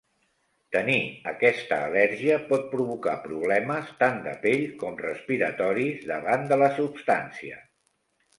Tenir aquesta al·lèrgia pot provocar problemes tant de pell com respiratoris davant de la substància.